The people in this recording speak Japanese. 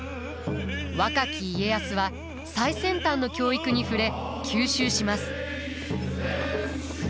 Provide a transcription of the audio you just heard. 若き家康は最先端の教育に触れ吸収します。